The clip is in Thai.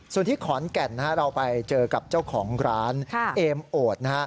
ส่วนที่ขอนแก่นเราไปเจอกับเจ้าของร้านเอมโอดนะฮะ